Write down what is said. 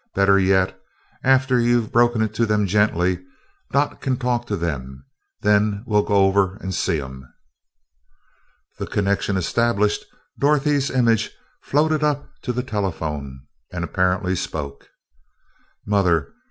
"Better yet, after you've broken it to them gently, Dot can talk to them, then we'll go over and see 'em." The connection established, Dorothy's image floated up to the telephone and apparently spoke. "Mother?